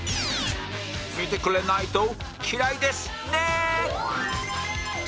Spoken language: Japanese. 見てくれないと嫌いですね！！